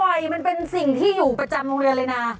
มันเป็นสิ่งที่อยู่ประจำโรงเรียนเลยนะ